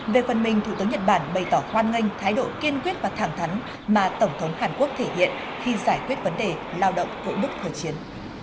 về phần mình thủ tướng nhật bản bày tỏ hoan nghênh thái độ kiên quyết và thẳng thắn mà tổng thống hàn quốc thể hiện khi giải quyết vấn đề lao động vững thời chiến